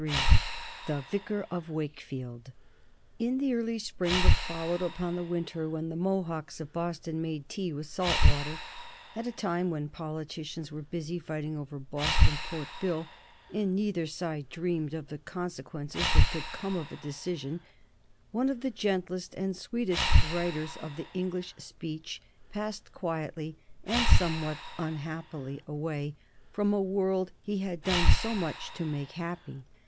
[Sidenote: 1774 Death of Oliver Goldsmith] In the early spring that followed upon the winter when the Mohawks of Boston made tea with salt water, at a time when politicians were busy fighting over the Boston Port Bill, and neither side dreamed of the consequences that could come of a decision, one of the gentlest and sweetest writers of the English speech passed quietly, and somewhat unhappily, away from a world he had done so much to make happy.